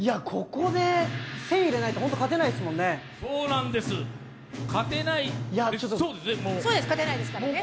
ここで１０００入れないと勝てないですもんね。